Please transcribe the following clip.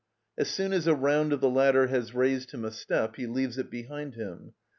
As soon as a round of the ladder has raised him a step, he leaves it behind him.